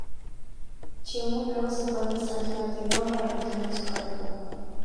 Cheung luego se fue al extranjero a Taiwán para continuar su carrera.